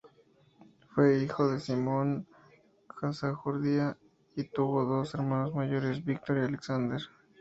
Fue hijo de Simon Gamsajurdia y tuvo dos hermanos mayores, Victor y Alexander.